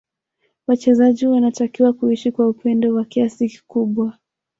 Wachezaji wanatakiwa kuishi kwa upendo wa kiasi kikubwa